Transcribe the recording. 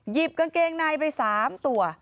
กางเกงในไป๓ตัว